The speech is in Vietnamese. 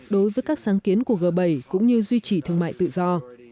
đối với các sáng kiến của g bảy cũng như duy trì thương mại tự do